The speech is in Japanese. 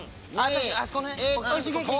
あそこね！